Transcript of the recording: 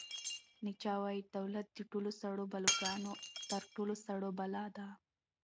نیچه وایي چې دولت د ټولو سړو بلاګانو تر ټولو سړه بلا ده.